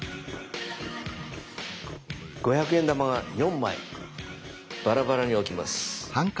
五百円玉が４枚バラバラに置きます。